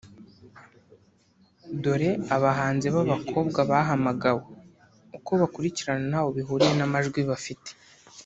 Dore abahanzi b’abakobwa bahamagawe (uko bakurikirana ntaho bihuriye n’amajwi bafite)